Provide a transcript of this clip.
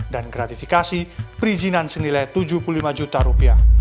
dan gratifikasi perizinan senilai tujuh puluh lima juta rupiah